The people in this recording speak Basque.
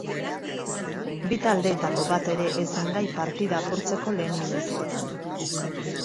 Bi taldeetako bat ere ez zen gai partida apurtzeko lehen minutuetan.